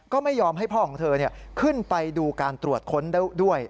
ก็ไม่ยอมให้พ่อของเธอขึ้นไปดูการตรวจค้นด้วย